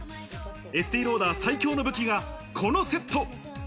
エスティローダー最強の武器がこのセット。